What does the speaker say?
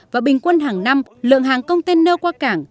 và bình quân hàng năm lượng hàng container qua cảng